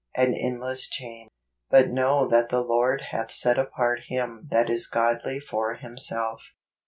An Endless Chain. 41 But know that the Lord hath set apart him that is godly for himself."